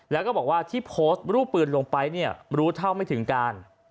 แล้วก็บอกว่าที่โพสต์รูปปืนลงไปเนี่ยรู้เท่าไม่ถึงการ